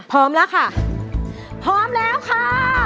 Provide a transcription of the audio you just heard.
พร้อมแล้วค่ะพร้อมแล้วค่ะ